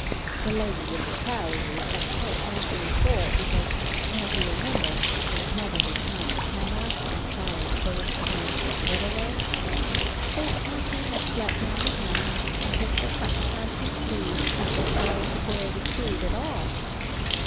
The legs of the trousers were so awfully short, because, as you remember, his Mother had turned the hem up when Charlie first began to get littler. So his Auntie had to let down the hem and take the tucks out AND HIS KITTEN TOPSY 89 of the sleeves before Charlie could wear the suit at all.